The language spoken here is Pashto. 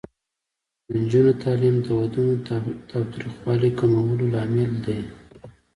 د نجونو تعلیم د ودونو تاوتریخوالي کمولو لامل دی.